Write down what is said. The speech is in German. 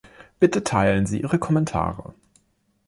Bitte teilen Sie Ihre Kommentare.